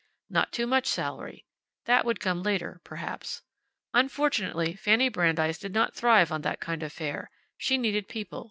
Not too much salary. That would come later, perhaps. Unfortunately, Fanny Brandeis did not thrive on that kind of fare. She needed people.